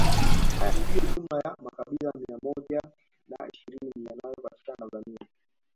Haya ndiyo jumla ya makabila mia moja na ishirini yanayopatikana Tanzania